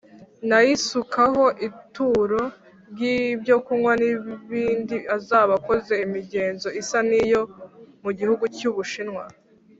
nayisukaho ituro ry ibyokunywa nibindi azaba akoze imigenzo isa niyo mu gihugu cy’ ubushinwa.